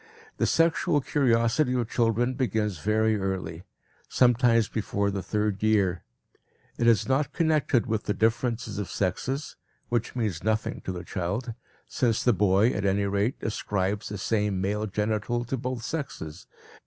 The sexual curiosity of children begins very early, sometimes before the third year. It is not connected with the differences of sexes, which means nothing to the child, since the boy, at any rate, ascribes the same male genital to both sexes.